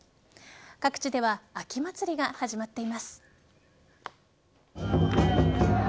各地では秋祭りが始まっています。